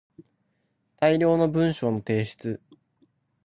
大量の文章の提出